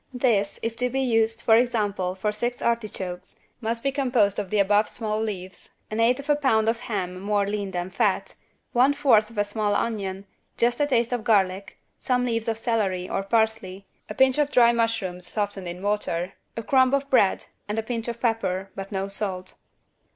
This, if to be used, for example, for six artichokes, must be composed of the above small leaves, 1/8 lb. of ham more lean than fat, one fourth of a small onion, just a taste of garlic, some leaves of celery or parsley, a pinch of dry mushrooms, softened in water, a crumb of bread and a pinch of pepper, but no salt.